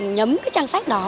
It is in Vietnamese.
nhấm cái trang sách đó